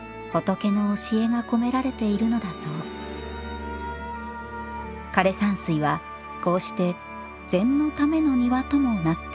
枯山水はこうして禅のための庭ともなっていったのです